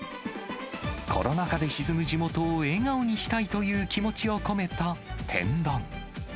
コロナ禍で沈む地元を笑顔にしたいという気持ちを込めた天丼。